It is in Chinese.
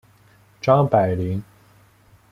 张百麟。